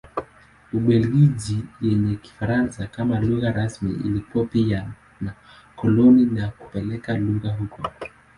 Ubelgiji yenye Kifaransa kama lugha rasmi ilikuwa pia na koloni na kupeleka lugha huko.